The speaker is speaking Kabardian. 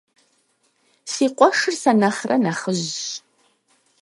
Си къуэшыр сэ нэхърэ нэхъыжьщ.